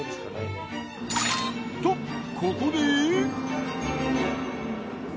とここで。